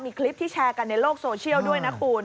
มีคลิปที่แชร์กันในโลกโซเชียลด้วยนะคุณ